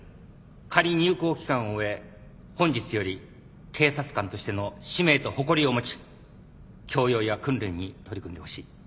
仮入校期間を終え本日より警察官としての使命と誇りを持ち教養や訓練に取り組んでほしい。